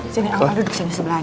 sini aku akan duduk sebelah